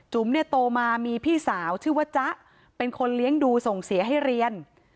เนี่ยโตมามีพี่สาวชื่อว่าจ๊ะเป็นคนเลี้ยงดูส่งเสียให้เรียน